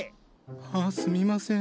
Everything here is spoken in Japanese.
あっすみません。